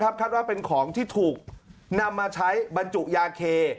คาดว่าเป็นของที่ถูกนำมาใช้บรรจุยาเค